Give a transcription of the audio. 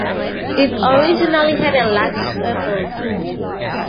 It originally had a large steeple.